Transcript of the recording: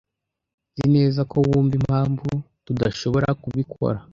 Nzi neza ko wumva impamvu tudashobora kubikora.